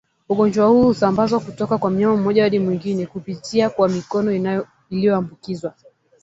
Ugonjwa huu husambazwa kutoka kwa mnyama mmoja hadi mwingine kupitia kwa mikono iliyoambukizwa